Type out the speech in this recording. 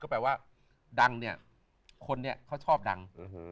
แปลว่าดังเนี่ยคนนี้เขาชอบดัง